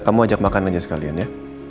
kamu ajak makan aja sekalian ya